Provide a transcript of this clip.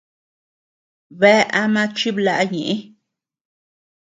Bea ama chiblaʼa ñeʼë.